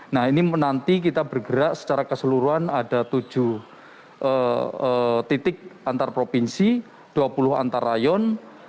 nah ini nanti kita bergerak secara keseluruhan ada tujuh titik antar provinsi dua puluh antar rayon